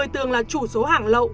một mươi tường là chủ số hàng lậu